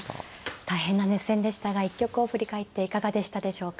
大変な熱戦でしたが一局を振り返っていかがでしたでしょうか。